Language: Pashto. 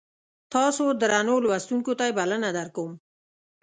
تاسو درنو لوستونکو ته یې بلنه درکوم.